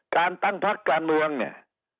การตั้งพักการเมืองเนี่ย